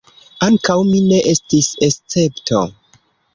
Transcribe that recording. Ankaŭ mi ne estis escepto.